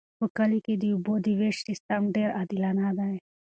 په کلي کې د اوبو د ویش سیستم ډیر عادلانه دی.